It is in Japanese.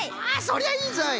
そりゃいいぞい！